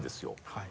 はい。